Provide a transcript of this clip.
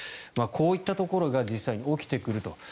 こういったところが実際に起きてくると。